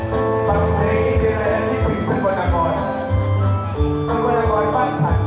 บางเพลงนี้เยอะแรงที่ถึงสักวันอ่ะก่อน